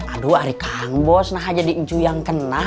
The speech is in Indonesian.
aduh ari kang bos nah jadi iju yang kena